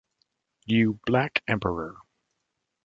You Black Emperor.